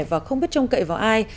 và không biết trông cậy vào ai